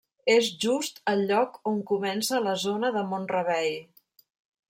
És just el lloc on comença la zona de Mont-rebei.